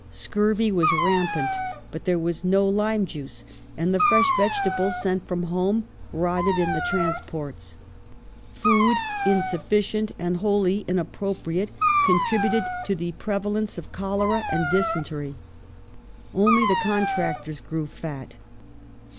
Scurvy was rampant ; but there was no lime juice, and the fresh vegetables seht from home rotted in the Transports; food, insufficient and wholly inappropriate, contributed to the prevalence of cholera and dysentery. Only the contractors grew fat.